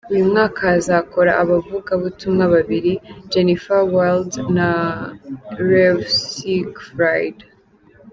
Uyu mwaka hazakora abavugabutumwa babiri, Jennifer Wilde na Rev Siegfried.